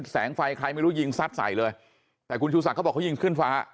แสงไฟใครไม่รู้ยิงซัดใส่เลยแต่คุณชูศักดิ์เขาบอกเขายิงขึ้นฟ้า